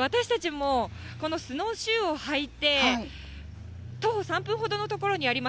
私たちも、このスノーシューを履いて、徒歩３分ほどの所にあります